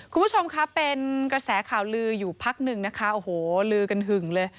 คุณผู้ชมคะเป็นกระแสข่าวลืออยู่พักหนึ่งนะคะโอ้โหลือกันหึงเลย